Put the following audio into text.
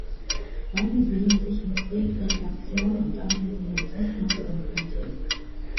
Beide sehen sich mit Segregation und Antisemitismus konfrontiert.